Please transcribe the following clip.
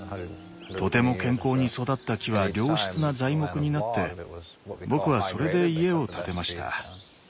とても健康に育った木は良質な材木になって僕はそれで家を建てました。